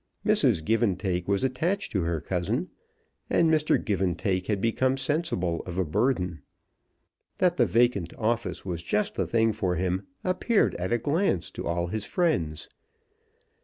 Mrs. Givantake was attached to her cousin, and Mr. Givantake had become sensible of a burden. That the vacant office was just the thing for him appeared at a glance to all his friends.